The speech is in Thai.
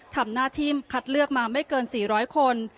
ทำหน้าที่คัดเลือกมาไม่เกิน๔๐๐คน